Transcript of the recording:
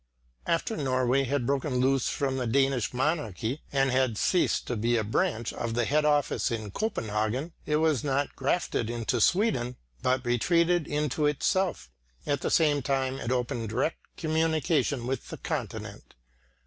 After Norway had broken loose from the Danish monarchy and had ceased to be a branch of the head office in Copenhagen, it was not grafted into Sweden but retreated into itself. At the same time it opened direct communication with the continent.